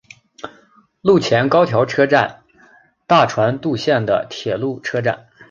陆前高田车站大船渡线的铁路车站。